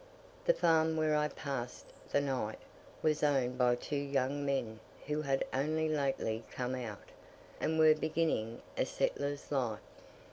The farm where I passed the night, was owned by two young men who had only lately come out, and were beginning a settler's life.